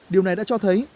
điều này đã cho thấy